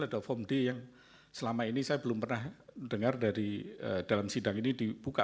ada form d yang selama ini saya belum pernah dengar dari dalam sidang ini dibuka